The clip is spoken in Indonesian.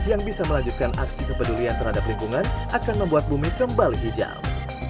yang bisa melanjutkan aksi kepedulian terhadap lingkungan akan membuat bumi kembali hijau